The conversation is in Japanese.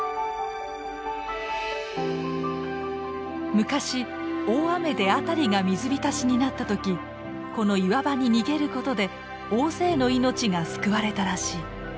昔大雨で辺りが水浸しになった時この岩場に逃げることで大勢の命が救われたらしい。